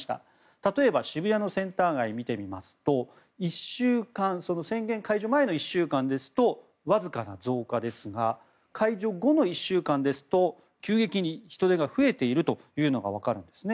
例えば、渋谷のセンター街を見てみますと宣言解除前の１週間ですとわずかな増加ですが解除後の１週間ですと急激に人出が増えているというのがわかるんですね。